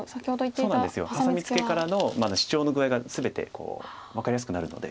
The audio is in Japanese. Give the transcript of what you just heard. そうなんですハサミツケからのシチョウの具合が全てこう分かりやすくなるので。